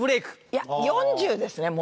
いや４０ですねもうね。